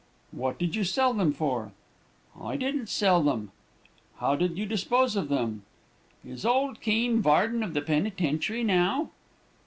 "'What did you sell them for?' "'I didn't sell 'em.' "'How did you dispose of them?' "'Is old Keene varden of the penitentiary now?'